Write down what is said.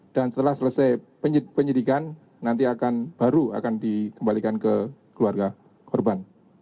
dan setelah selesai penyidikan nanti akan baru akan dikembalikan ke keluarga korban